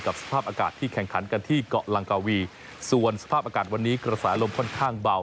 สภาพอากาศที่แข่งขันกันที่เกาะลังกาวีส่วนสภาพอากาศวันนี้กระแสลมค่อนข้างเบา